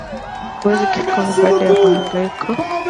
Kikohozi kikavu baada ya mahangaiko